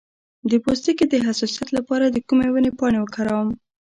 د پوستکي د حساسیت لپاره د کومې ونې پاڼې وکاروم؟